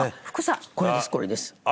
これですこれです。